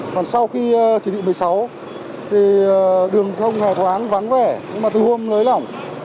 còn sau khi chỉ thị một mươi sáu thì đường không hài thoáng vắng vẻ nhưng mà từ hôm lấy lỏng